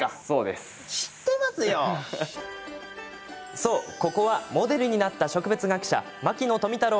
そう、ここはモデルになった植物学者牧野富太郎